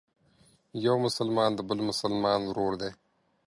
یو مسلمان د بل مسلمان ورور دی.